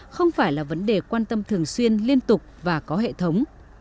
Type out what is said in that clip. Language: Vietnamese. không phải là vấn đề quan tâm thường xuyên liên tục và có hệ thống